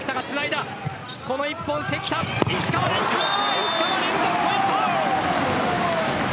石川、連続ポイント。